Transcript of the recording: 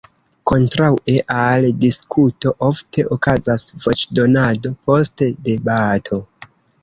Kontraŭe al diskuto ofte okazas voĉdonado post debato.